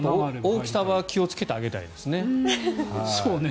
大きさは気をつけてあげたいですね。